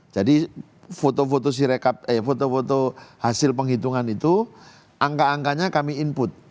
jadi foto foto hasil penghitungan itu angka angkanya kami input